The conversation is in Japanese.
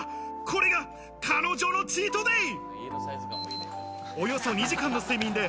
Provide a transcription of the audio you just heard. これが彼女のチートデイ！